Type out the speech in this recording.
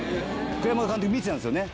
栗山監督見てたんすよね。